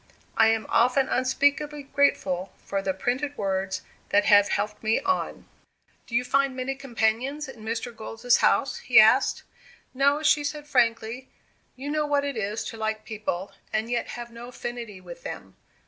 I am often unspeakably grateful for the printed words that have helped me on." "Do you find many companions in Mr. Gold's house?" he asked. "No," she said, frankly. "You know what it is to like people, and yet have no affinity with them.